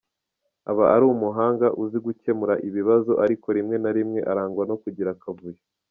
Aba ari umuhanga, uzi gukemura ibibazo ariko rimwe na rimwe arangwa no kugira akavuyo.